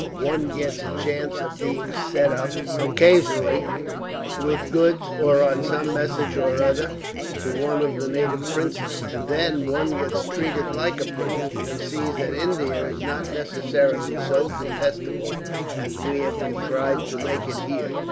One gets a chance of being sent up, occasionally, with goods; or on some message or other to one of the native princes, and then one gets treated like a prince, and sees that India is not necessarily so detestable as we have contrived to make it here.